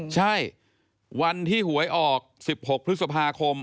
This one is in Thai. ใช่วันที่หวยออก๑๖พฤษภาคม